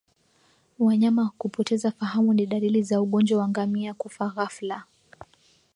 Wanyama kupoteza fahamu ni dalili za ugonjwa wa ngamia kufa ghafla